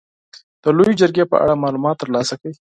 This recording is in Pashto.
د لويې جرګې په اړه معلومات تر لاسه کړئ.